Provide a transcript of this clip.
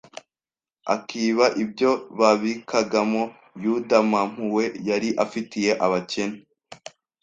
akiba ibyo babikagamo.» Yuda ma mpuhwe yari afitiye abakene.